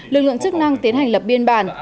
lực lượng chức năng tiến hành lập biên bản